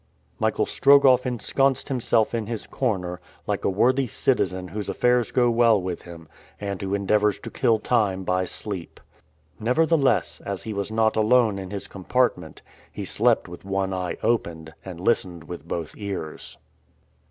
Michael Strogoff ensconced himself in his corner, like a worthy citizen whose affairs go well with him, and who endeavors to kill time by sleep. Nevertheless, as he was not alone in his compartment, he slept with one eye open, and listened with both his ears.